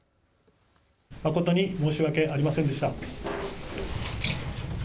誠に申し訳ありませんでした。